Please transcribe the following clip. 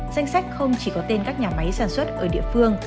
danh sách không chỉ có tên các nhà máy sản xuất ở địa phương